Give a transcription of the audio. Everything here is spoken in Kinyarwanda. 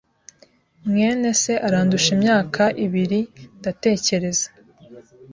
mwene se arandusha imyaka ibiri, ndatekereza.